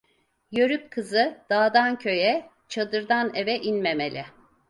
Yörük kızı dağdan köye, çadırdan eve inmemeli…